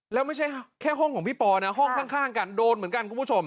แล้วไม่ใช่แค่ห้องของพี่ปอนะห้องข้างกันโดนเหมือนกันคุณผู้ชม